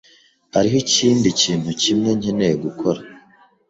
Hariho ikindi kintu kimwe nkeneye gukora.